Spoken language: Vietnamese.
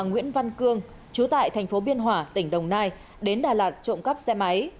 nguyễn văn cương trú tại tp biên hòa tỉnh đồng nai đến đà lạt trộm cắp xe máy